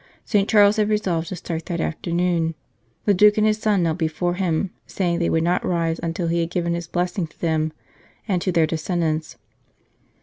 ... St. Charles had resolved to start that afternoon, The Duke and his son knelt before him, saying they would not rise until he had given his blessing to them and to their descendants.